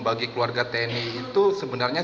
bagi keluarga tni itu sebenarnya